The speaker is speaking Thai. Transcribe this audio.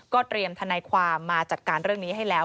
เตรียมทนายความมาจัดการเรื่องนี้ให้แล้ว